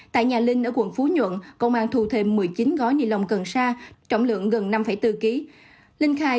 tại nhà linh ở quận phú nhuận công an thu thêm một mươi chín gói ni lông cần sa trọng lượng gần năm bốn kg